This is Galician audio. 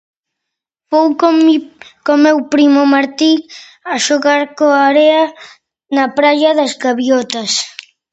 Fun con mi con meu primo Martí a xogar coa area na Praia das Gaviotas.